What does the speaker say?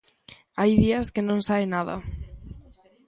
Hai días que non sae nada.